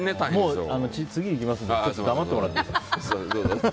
もう次いきますんで黙ってもらっていいですか。